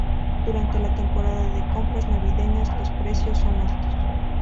Durante la temporada de compras navideñas los precios son altos.